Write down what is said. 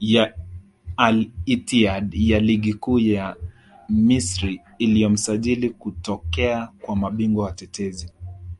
ya Al Ittihad ya Ligi Kuu ya Misri iliyo msajili kutokea kwa mabingwa watetezi